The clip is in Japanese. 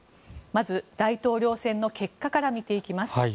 まず、大統領選の結果から見ていきます。